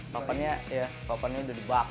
papannya udah dibakar sama bapak